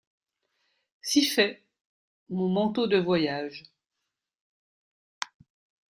Si fait !… mon manteau de voyage.